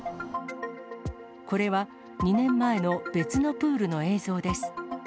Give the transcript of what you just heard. これは、２年前の別のプールの映像です。